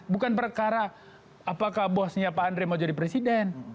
bukan perkara apakah bosnya pak andre mau jadi presiden